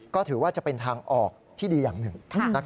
ก็ถือว่าจะเป็นทางออกที่ดีอย่างหนึ่ง